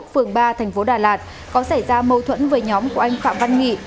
phường ba thành phố đà lạt có xảy ra mâu thuẫn với nhóm của anh phạm văn nghị